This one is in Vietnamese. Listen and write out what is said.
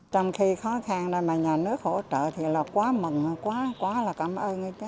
trong khi khó khăn nên mà nhà nước hỗ trợ thì là quá mừng quá là cảm ơn